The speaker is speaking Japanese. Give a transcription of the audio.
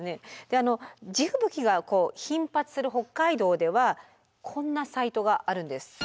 であの地吹雪が頻発する北海道ではこんなサイトがあるんです。